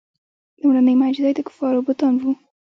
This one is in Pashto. لومړنۍ معجزه یې د کفارو بتان وو.